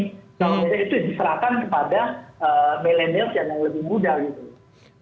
kalau tidak itu diserahkan kepada millennials yang lebih muda